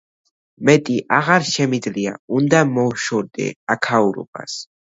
მეტი აღარ შემიძლია, უნდა მოვშორდე აქაურობას!